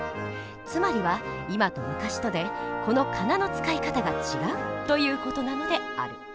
つまりは今と昔とでこの仮名の使い方が違うという事なのである。